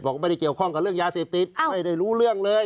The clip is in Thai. ไม่ได้เกี่ยวข้องกับเรื่องยาเสพติดไม่ได้รู้เรื่องเลย